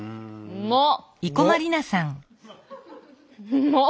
うまっ！